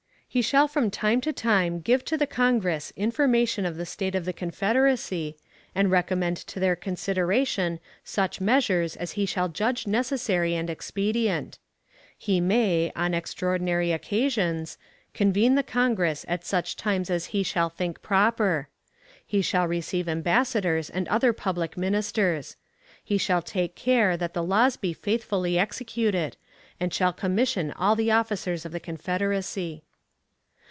He shall from time to time give to the Congress information of the state of the Confederacy, and recommend to their consideration such measures as he shall judge necessary and expedient; he may, on extraordinary occasions, convene the Congress at such times as he shall think proper; he shall receive ambassadors and other public ministers; he shall take care that the laws be faithfully executed; and shall commission all the officers of the Confederacy.